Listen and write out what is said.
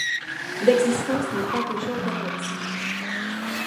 L'existence n'est pas toujours garantie.